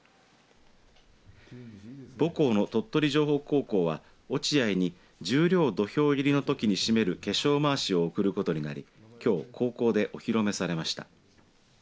母校の鳥取城北高校は落合に十両土俵入りのときに締める化粧まわしを贈ることになり、きょう高校でお披露目されました。